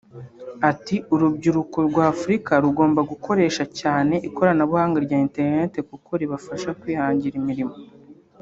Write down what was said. Ati “Urubyiruko rwa Afurika rugomba gukoresha cyane ikoranabuhanga rya Internet kuko ribafasha kwihangira imirimo